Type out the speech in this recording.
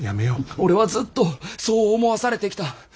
俺はずっとそう思わされてきた。